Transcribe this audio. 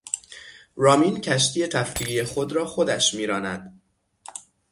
رامین کشتی تفریحی خود را خودش میراند.